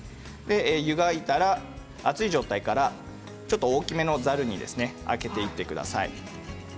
湯がいたら、熱い状態からちょっと大きめのざるに上げていってください。